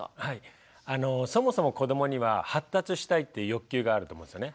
そもそも子どもには発達したいっていう欲求があると思うんですよね